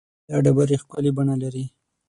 دا ډبرې ښکلې بڼه لري.